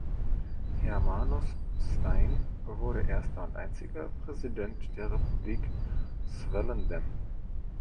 Hermanus Steyn wurde erster und einziger Präsident der Republik Swellendam.